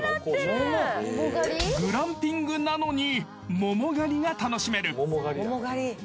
［グランピングなのに桃狩りが楽しめる］